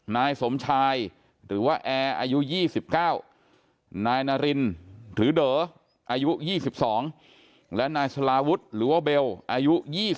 นายสมชายหรือว่าแอร์อายุ๒๙นายนารินหรือเด๋ออายุ๒๒และนายสลาวุฒิหรือว่าเบลอายุ๒๒